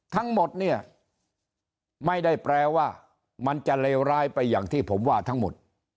ทั้งหมดเนี่ยไม่ได้แปลว่ามันจะเลวร้ายไปอย่างที่ผมว่าทั้งหมด